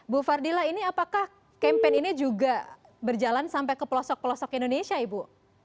bu fardila ini apakah campaign ini juga berjalan sampai ke pelosok pelosok indonesia ibu